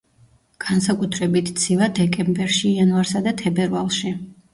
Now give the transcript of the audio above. განსაკუთრებით ცივა დეკემბერში, იანვარსა და თებერვალში.